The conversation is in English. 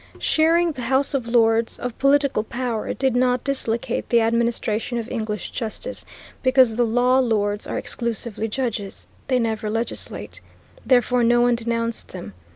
Shearing the House of Lords of political power did not dislocate the administration of English justice, because the law lords are exclusively judges. They never legislate. Therefore no one denounced them.